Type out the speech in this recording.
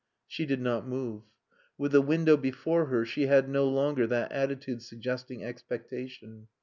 She did not move. With the window before her she had no longer that attitude suggesting expectation.